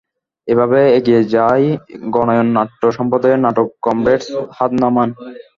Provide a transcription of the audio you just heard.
এভাবে এগিয়ে যায় গণায়ন নাট্য সম্প্রদায়ের নাটক কমরেডস হাত নামান।